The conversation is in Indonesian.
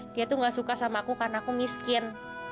dia tuh gak suka sama aku karena aku miskin